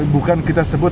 bukan kita sebut